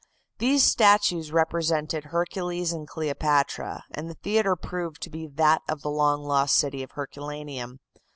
These statues represented Hercules and Cleopatra, and the theatre proved to be that of the long lost city of Herculaneum.